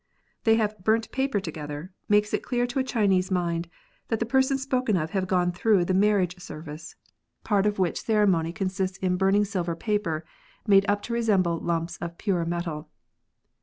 They have burnt paper together, makes it clear to a Chinese mind that the persons spoken of have gone through the marriage 68 SLANG. service, part of which ceremony consists in burning silver paper, made up to resemble lumps of the pure metal.